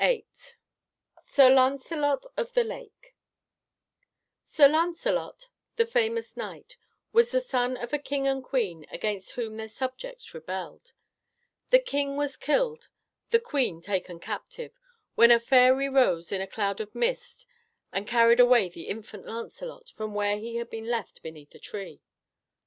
VIII SIR LANCELOT OF THE LAKE Sir Lancelot, the famous knight, was the son of a king and queen against whom their subjects rebelled; the king was killed, the queen taken captive, when a fairy rose in a cloud of mist and carried away the infant Lancelot from where he had been left beneath a tree.